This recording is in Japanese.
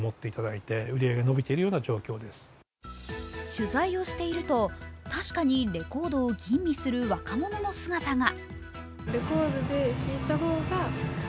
取材をしていると確かにレコードを吟味する若者の姿が。